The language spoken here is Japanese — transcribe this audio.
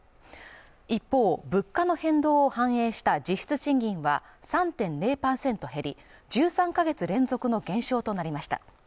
一方、物価の変動を反映した実質賃金は３．０％減り１３か月連続の減少となりました。